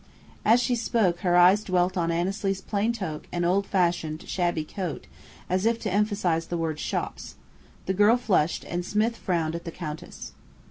As she spoke her eyes dwelt on Annesley's plain toque and old fashioned shabby coat, as if to emphasize the word "shops." The girl flushed, and Smith frowned at the Countess.